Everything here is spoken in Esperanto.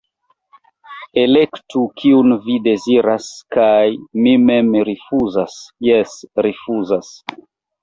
Elektu, kiun vi deziras, kaj mi mem rifuzas, jes, rifuzas.